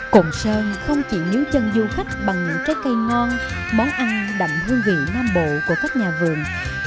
cồn sơn không chỉ níu chân du khách bằng trái cây ngon món ăn đậm hương vị nam bộ của các nhà vườn